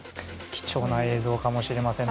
貴重な映像かもしれません。